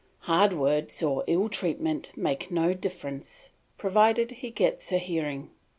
Hard words or ill treatment make no difference, provided he gets a hearing.